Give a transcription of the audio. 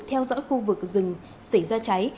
theo dõi khu vực rừng xảy ra cháy